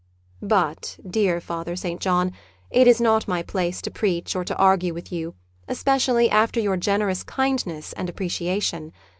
But, dear Father St. John, it is not my place to preach or to argue with you, especially after your generous kindness and appreciation.